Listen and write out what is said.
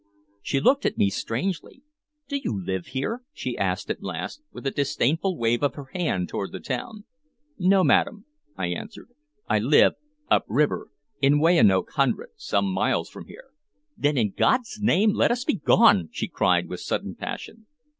She looked at me strangely. "Do you live here?" she asked at last, with a disdainful wave of her hand toward the town. "No, madam," I answered. "I live up river, in Weyanoke Hundred, some miles from here." "Then, in God's name, let us be gone!" she cried, with sudden passion.